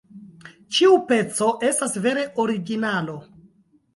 Ĉiu peco estas vere originalo!